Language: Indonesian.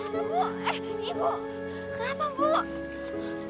kenapa ibu eh ibu kenapa ibu